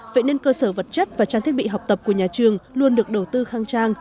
vậy nên cơ sở vật chất và trang thiết bị học tập của nhà trường luôn được đầu tư khang trang